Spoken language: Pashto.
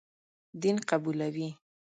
دین قبولوي.